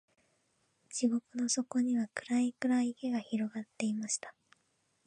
地獄の底には、暗い暗い池が広がっていました。